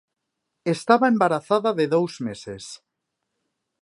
Estaba embarazada de dous meses.